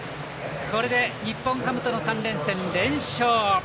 これで日本ハムとの３連戦連勝。